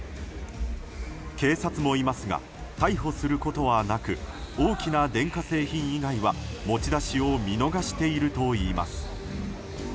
警察もいますが逮捕することはなく大きな電化製品以外は持ち出しを見逃しているといいます。